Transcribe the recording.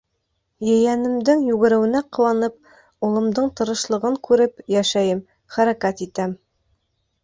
Ейәнемдең йүгереүенә ҡыуанып, улымдың тырышлығын күреп йәшәйем, хәрәкәт итәм.